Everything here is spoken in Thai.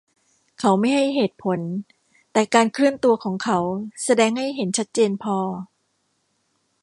เขาไม่ให้เหตุผล แต่การเคลื่อนตัวของเขาแสดงให้เห็นชัดเจนพอ